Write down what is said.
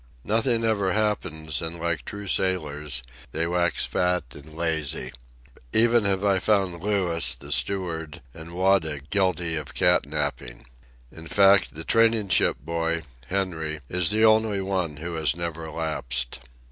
Nothing ever happens, and, like true sailors, they wax fat and lazy. Even have I found Louis, the steward, and Wada guilty of cat napping. In fact, the training ship boy, Henry, is the only one who has never lapsed.